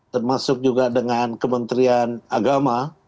termasuk juga dengan kementerian agama